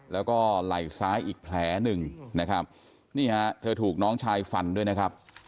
แล้วก็ไหล่ซ้ายอีกแผลหนึ่งนะครับนี่ฮะเธอถูกน้องชายฟันด้วยนะครับ